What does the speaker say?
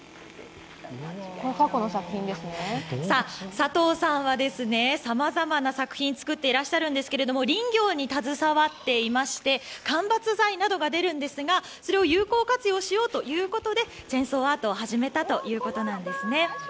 佐藤さんは、さまざまな作品を作っていらっしゃるんですけれども、林業に携わっていまして間伐材などが出るんですがそれを有効活用しようということで、チェンソーアートを始めたということなんですね。